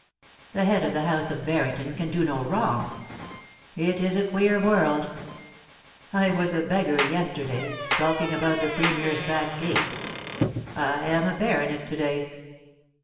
The head of the house of Harrington can do no wrong. ... It is a queer world ! I was a beggar yester day, skulking about the Premier's back gate. I am a baronet to day.